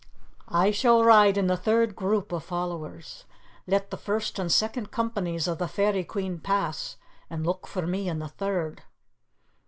"I shall ride in the third group of followers. Let the first and second companies of the Fairy Queen pass, and look for me in the third.